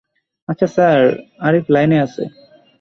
আচ্ছা স্যার আরিফ লাইনে আছে।